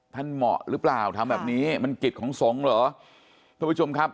เหมาะหรือเปล่าทำแบบนี้มันกิจของสงฆ์เหรอท่านผู้ชมครับ